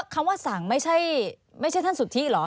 คำว่าสั่งไม่ใช่ท่านสุธิเหรอ